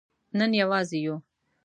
نن یوازې یو